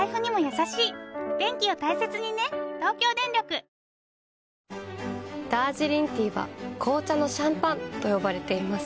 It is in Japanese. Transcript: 自称２９歳の男がダージリンティーは紅茶のシャンパンと呼ばれています。